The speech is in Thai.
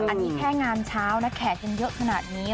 อันนี้แค่งานเช้านะแขกกันเยอะขนาดนี้